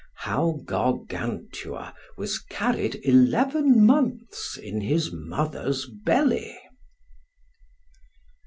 How Gargantua was carried eleven months in his mother's belly.